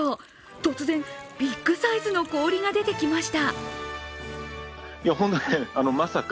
突然、ビッグサイズの氷が出てきました。